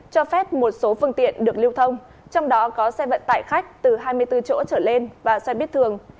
cho phép một số phương tiện được lưu thông trong đó có xe vận tải khách từ hai mươi bốn chỗ trở lên và xe buýt thường